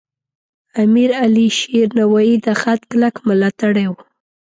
امیر علیشیر نوایی د خط کلک ملاتړی و.